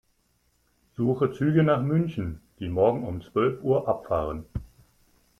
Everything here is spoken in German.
Suche Züge nach München, die morgen um zwölf Uhr abfahren.